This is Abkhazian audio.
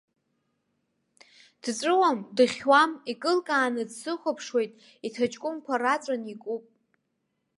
Дҵәыуам, дыхьуам, икылкааны дсыхәаԥшуеит, иҭаҷкәымқәа раҵәаны икуп.